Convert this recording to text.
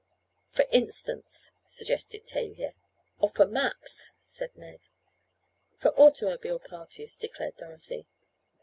"For instance," suggested Tavia. "Or for maps," said Ned. "For automobile parties," declared Dorothy.